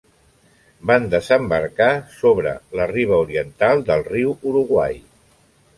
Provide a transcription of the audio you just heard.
Van desembarcar sobre la riba oriental del riu Uruguai.